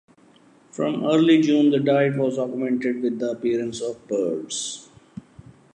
From early June the diet was augmented with the appearance of birds.